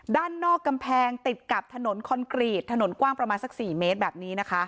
ด้านนอกกำแพงติดกับถนนคอนกรีตถนนกว้างประมาณสัก๔เมตรแบบนี้นะคะ